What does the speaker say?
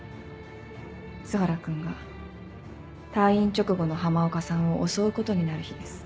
栖原君が退院直後の浜岡さんを襲うことになる日です。